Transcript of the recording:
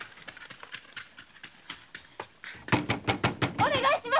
お願いします！